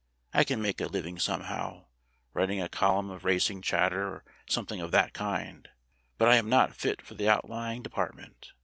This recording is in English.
I can make a living homehow write a column of racing chatter or something of that kind but I am not fit for the Outlying Depart ment."